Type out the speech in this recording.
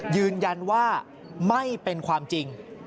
ยืนยันว่าไม่เป็นความจริง